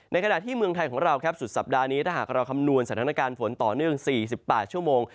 ขณะที่เมืองไทยของเราครับสุดสัปดาห์นี้ถ้าหากเราคำนวณสถานการณ์ฝนต่อเนื่อง๔๘ชั่วโมง